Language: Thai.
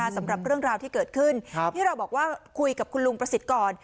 สำหรับเรื่องราวที่เกิดขึ้นที่เราบอกว่าคุยกับคุณลุงประสิทธิ์ก่อน